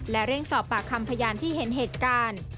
และเร่งสอบปากคำพยานที่เห็นเหตุการณ์